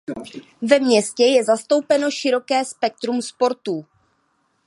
Ve městě je zastoupeno široké spektrum sportů.